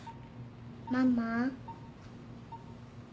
ママ。